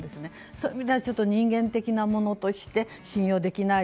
そういう意味では人間的なものとして信用できない